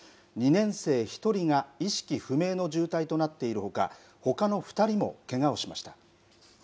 年生１人が意識不明の重体となっているほかほかの２人もけがをしました。